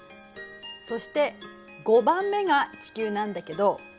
そして５番目が地球なんだけど。